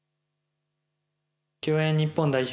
競泳日本代表